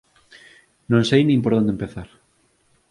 Non sei nin por onde empezar.